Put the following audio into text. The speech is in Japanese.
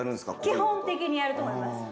基本的にやると思います。